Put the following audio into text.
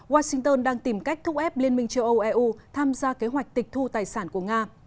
washington đang tìm cách thúc ép liên minh châu âu eu tham gia kế hoạch tịch thu tài sản của nga